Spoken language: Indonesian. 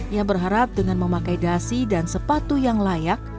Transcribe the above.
ia berharap dengan memakai dasi dan sepatu yang layak